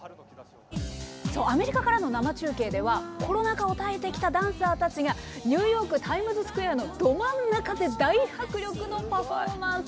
アメリカからの生中継ではコロナ禍を耐えてきたダンサーたちがニューヨークタイムズスクエアのど真ん中で大迫力のパフォーマンス。